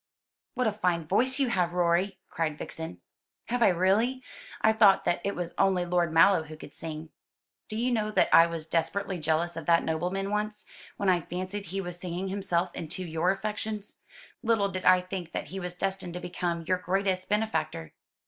"What a fine voice you have, Rorie!" cried Vixen. "Have I really? I thought that it was only Lord Mallow who could sing. Do you know that I was desperately jealous of that nobleman, once when I fancied he was singing himself into your affections. Little did I think that he was destined to become your greatest benefactor."